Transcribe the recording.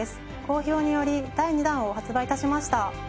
好評により第２弾を発売致しました。